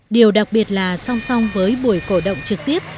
điều đặc biệt là song song với buổi cổ động trực tiếp